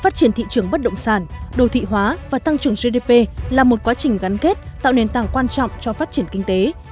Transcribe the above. phát triển thị trường bất động sản đồ thị hóa và tăng trưởng gdp là một quá trình gắn kết tạo nền tảng quan trọng cho phát triển kinh tế